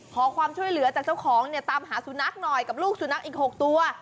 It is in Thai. ขอความช่วยเหลือจากเจ้าของเนี่ยตามหาสุนัขหน่อยกับลูกสุนัขอีก๖ตัว